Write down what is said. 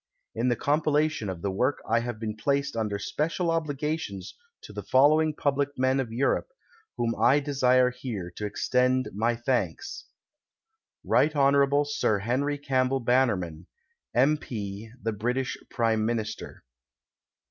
In the com pilation of the work I have been placed under special obligations to the following public men of Europe, to whom I desire here to extend my thanks : Rt. Hon. Sir Henry Campbell Bannennan, M. P., the Bi itish Prime .Minister.